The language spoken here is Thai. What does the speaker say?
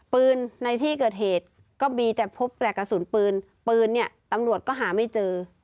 ในที่เกิดเหตุก็มีแต่พบแปลกกระสุนปืนปืนเนี่ยตำรวจก็หาไม่เจอ